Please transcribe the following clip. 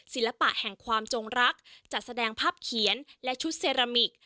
ศิลปะแห่งความจงรักจัดแสดงภาพเขียนและชุดเซรามิก